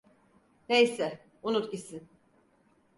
Neyse, unut gitsin.